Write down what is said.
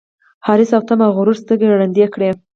حرص او تمه او غرور سترګي ړندې کړي